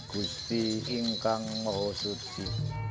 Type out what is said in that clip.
kusipi ingkang mahusudji